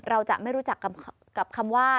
เราจะไม่รู้จักกับคำว่า